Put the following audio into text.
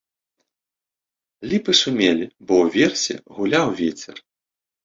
Ліпы шумелі, бо ўверсе гуляў вецер.